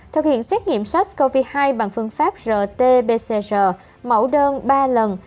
thực hiện xét nghiệm sars cov hai bằng phương pháp rt pcr mẫu đơn ba lần